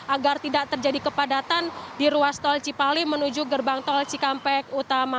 agar tidak terjadi kepadatan di ruas tol cipali menuju gerbang tol cikampek utama